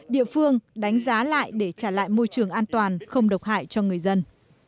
địa phương đánh giá lại để trả lại môi trường an toàn không độc hại cho người dân